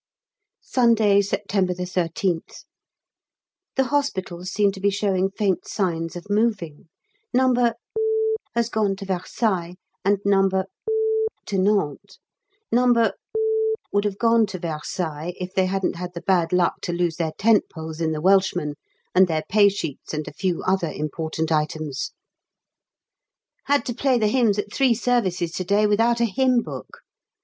Sunday, September 13th. The hospitals seem to be showing faint signs of moving. No. has gone to Versailles, and No. to Nantes. No. would have gone to Versailles if they hadn't had the bad luck to lose their tent poles in the Welshman, and their pay sheets and a few other important items. Had to play the hymns at three services to day without a hymn book!